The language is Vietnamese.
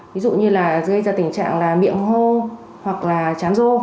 ví dụ như gây ra tình trạng miệng hô hoặc là chán rô